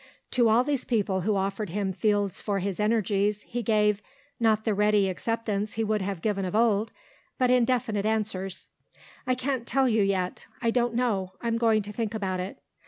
To all these people who offered him fields for his energies he gave, not the ready acceptance he would have given of old, but indefinite answers. "I can't tell you yet. I don't know. I'm going to think about it."